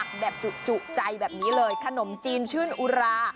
แบบจุใจแบบนี้เลยขนมจีนชื่นอุรา